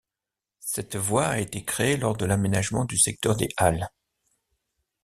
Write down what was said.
Cette voie a été créée lors de l'aménagement du secteur des Halles.